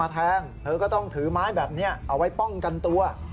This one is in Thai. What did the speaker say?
แทงเธอก็ต้องถือไม้แบบนี้เอาไว้ป้องกันตัว